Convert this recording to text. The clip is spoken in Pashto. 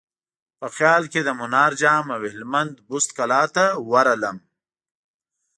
په خیال کې د منار جام او هلمند بست کلا ته ورغلم.